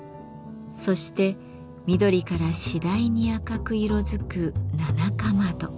そして緑から次第に赤く色づくナナカマド。